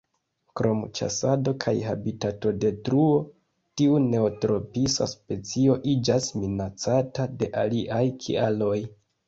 Krom ĉasado kaj habitatodetruo, tiu neotropisa specio iĝas minacata de aliaj kialoj.